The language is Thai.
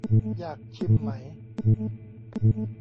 อยากชิมไหม